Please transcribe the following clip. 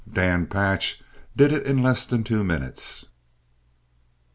Dan Patch did it in less than two minutes."